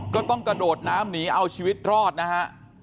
ก็ต้องกระโดดน้ำหนีเอาชีวิตรอดนะฮะ